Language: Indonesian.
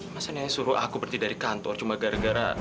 masa nanya suruh aku berhenti dari kantor cuma gara gara